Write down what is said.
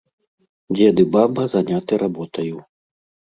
Дзед і баба заняты работаю.